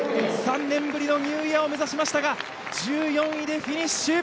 ３年ぶりのニューイヤーを目指しましたが、１４位でフィニッシュ。